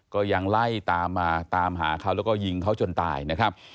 ก็ยังไล่ตามมาตามหาเขาแล้วก็ยิงเขาจนตายนะครับ